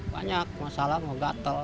banyak masalah mau gatel